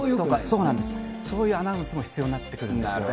そういうアナウンスも必要になってくるんですよね。